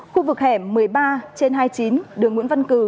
khu vực hẻm một mươi ba trên hai mươi chín đường nguyễn văn cử